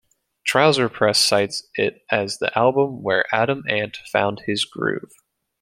"Trouser Press" cites it as the album where Adam Ant "found his groove".